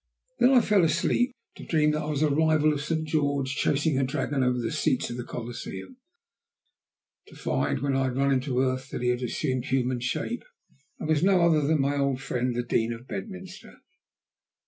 Then I fell asleep, to dream that I was a rival of St. George chasing a dragon over the seats of the Colosseum; to find, when I had run him to earth, that he had assumed human shape, and was no other than my old friend the Dean of Bedminster.